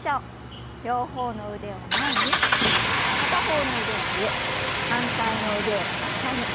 両方の腕を前に片方の腕は上反対の腕を下に。